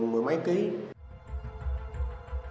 mười mấy kg